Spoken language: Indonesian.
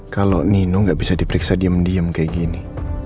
kalau nino nggak bisa diperiksa diam diam kayak gini